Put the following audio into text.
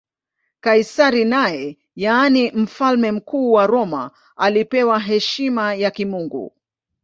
Kaisari naye, yaani Mfalme Mkuu wa Roma, alipewa heshima ya kimungu.